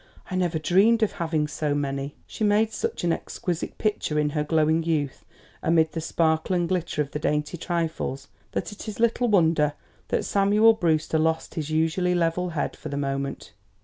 "I never dreamed of having so many." She made such an exquisite picture in her glowing youth amid the sparkle and glitter of the dainty trifles that it is little wonder that Samuel Brewster lost his usually level head for the moment.